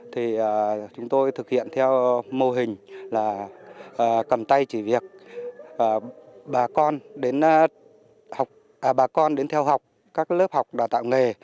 thì chúng tôi thực hiện theo mô hình là cầm tay chỉ việc bà con đến theo học các lớp học đào tạo nghề